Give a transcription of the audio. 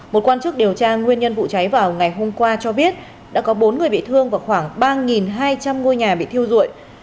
một quan chức điều tra nguyên nhân vụ cháy vào ngày hôm qua cho biết đã có bốn người bị thương và khoảng ba hai trăm linh ngôi nhà bị thiêu rụi